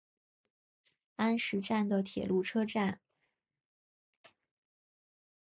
安食站的铁路车站。